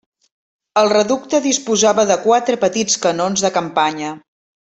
El reducte disposava de quatre petits canons de campanya.